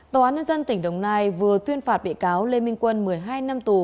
tòa án nhân dân tỉnh đồng nai vừa tuyên phạt bị cáo lê minh quân một mươi hai năm tù